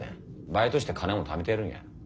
バイトして金もためてるんや。